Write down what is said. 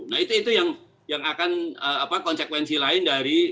nah itu yang akan konsekuensi lain dari